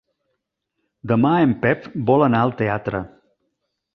Demà en Pep vol anar al teatre.